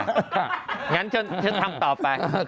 งั้นฉันทำต่อไป